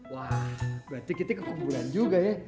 wah berarti kita ke kuburan juga ya